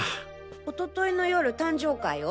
おとといの夜誕生会を？